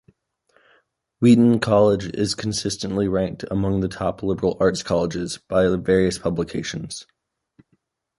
Wheaton College is consistently ranked among the top liberal arts colleges by various publications.